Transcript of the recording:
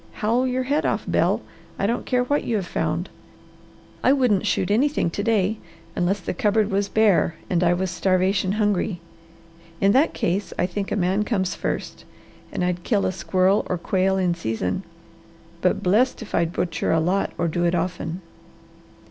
Howl your head off, Bel, I don't care what you have found. I wouldn't shoot anything to day, unless the cupboard was bare and I was starvation hungry. In that case I think a man comes first, and I'd kill a squirrel or quail in season, but blest if I'd butcher a lot or do it often.